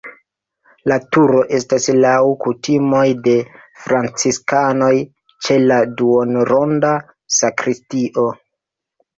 La turo estas laŭ kutimoj de franciskanoj ĉe la duonronda sakristio.